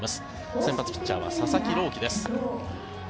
先発ピッチャーは佐々木朗希です。